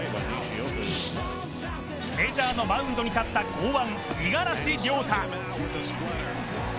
メジャーのマウンドに立った剛腕・五十嵐亮太。